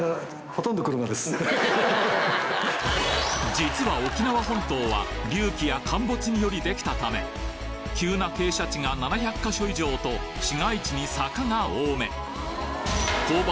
実は沖縄本島は隆起や陥没によりできたため急な傾斜地が７００か所以上と市街地に坂が多め勾配